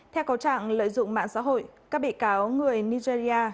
theo cầu trạng lợi dụng mạng xã hội các bị cáo người nigeria